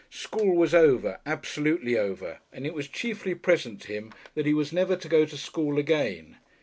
School was over, absolutely over, and it was chiefly present to him that he was never to go to school again.